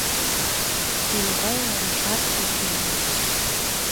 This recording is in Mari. Нимогай варашат уке ыле...